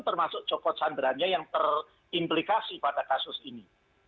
termasuk joko chandra nya yang terimplikasi pada kasus ini